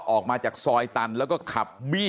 ออกมาจากซอยตันแล้วก็ขับบี้